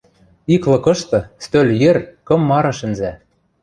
Ик лыкышты стӧл йӹр кым мары шӹнзӓ.